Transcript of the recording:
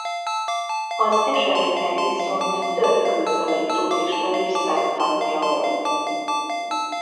Az eseménynek viszont több külföldi turista is szemtanúja volt.